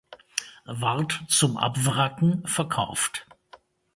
Ward zum Abwracken verkauft.